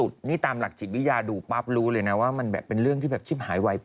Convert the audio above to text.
ตอนนั้นคิดด้วยคำโกรธและน้อยใจ